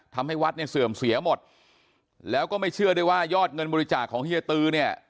ทำให้วัดเนี่ยเสื่อมเสียหมดแล้วก็ไม่เชื่อได้ว่ายอดเงินบริจาคของเฮียตือเนี่ย